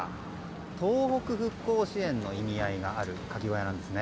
東北復興支援の意味合いがあるカキ小屋なんですね。